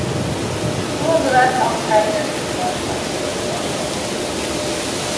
Früher gehörten auch Teile der Südvorstadt zur Seevorstadt.